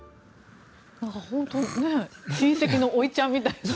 本当に親戚のおいちゃんみたいな。